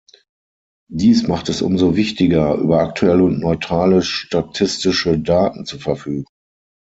Dies macht es umso wichtiger, über aktuelle und neutrale statistische Daten zu verfügen.